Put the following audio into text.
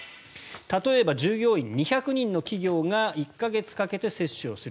例えば従業員２００人の企業が１か月かけて接種をする。